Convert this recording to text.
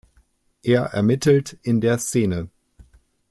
Er ermittelt in der Szene.